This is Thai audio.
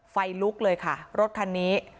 ไฟลุกเลยค่ะรถคันนี้